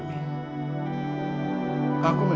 aku memang sedang berharap